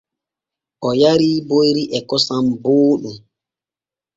O yarii boyri e kosam booɗɗum.